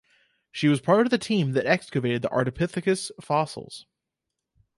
She was part of the team that excavated the Ardipithecus fossils.